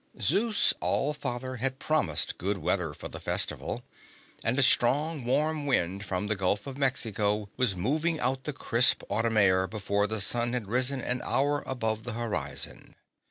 Zeus All Father had promised good weather for the festival, and a strong, warm wind from the Gulf of Mexico was moving out the crisp autumn air before the sun had risen an hour above the horizon.